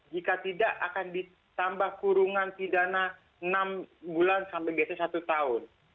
jika tidak akan ditambah kurungan pidana enam bulan sampai biasanya satu tahun